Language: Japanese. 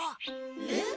えっ？